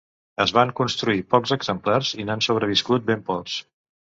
Es van construir pocs exemplars i n'han sobreviscut ben pocs.